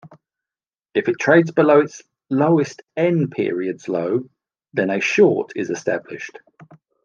If it trades below its lowest "n" periods low, then a short is established.